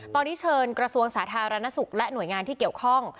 ตอนนี้เชิญกระทรวงสาธารณสุขและหน่วยงานที่เกี่ยวข้อง